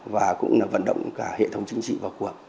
và cũng là vận động cả hệ thống chính trị vào cuộc